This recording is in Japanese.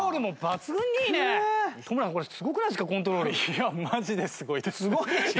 いやマジですごいですね。